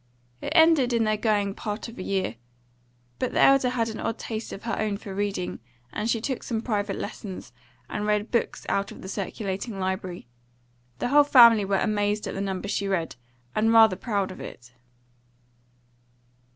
It ended in their going part of a year. But the elder had an odd taste of her own for reading, and she took some private lessons, and read books out of the circulating library; the whole family were amazed at the number she read, and rather proud of it.